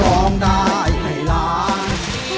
ร้องได้ให้ล้าน